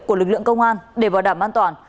của lực lượng công an để bảo đảm an toàn